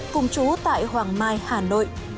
cùng chú tại hoàng mai hà nội